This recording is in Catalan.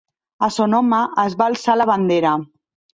A Sonoma es va alçar la bandera.